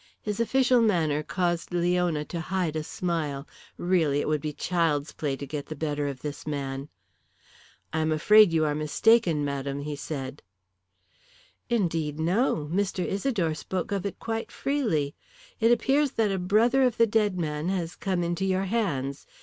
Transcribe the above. His official manner caused Leona to hide a smile. Really, it would be child's play to get the better of this man. "I am afraid you are mistaken, madame," he said. "Indeed, no. Mr. Isidore spoke of it quite freely. It appears that a brother of the dead man has come into your hands.